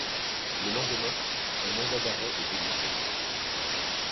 Le lendemain, un mandat d'arrêt est délivré.